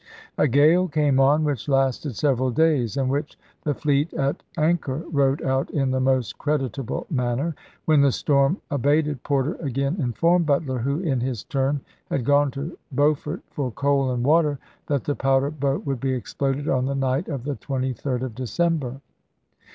A gale came on which lasted sev eral days, and which the fleet at anchor rode out in the most creditable manner. When the storm abated Porter again informed Butler, who in his turn had gone to Beaufort for coal and water, that the powder boat would be exploded on the night of the 23d of December.